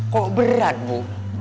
kok berat bu